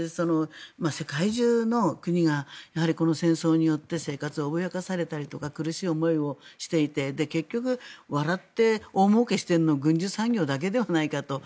世界中の国がこの戦争によって生活を脅かされたり苦しい思いをしていて結局、笑って大もうけしているのは大もうけしているのは軍需産業だけじゃないかと。